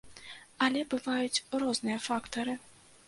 Але бываюць розныя фактары.